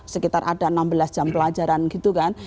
sekitar ada enam belas jam pelajaran gitu kan